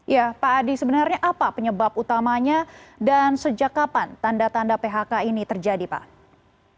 ya pak adi sebenarnya apa penyebab utamanya dan sejak kapan tanda tanda phk ini terjadi pak